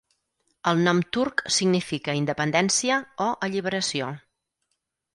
El nom turc significa "independència" o "alliberació".